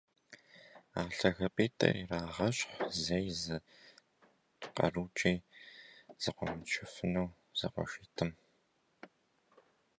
А лъагапIитIыр ирагъэщхь зэи зы къэрукIи зэкъуамычыфыну зэкъуэшитIым